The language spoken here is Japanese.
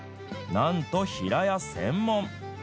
なんと平屋専門。